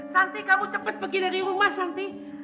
santi kamu cepat pergi dari rumah santi